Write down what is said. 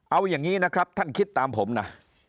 เอาอย่างนี้นะครับท่านคิดตามผมนะ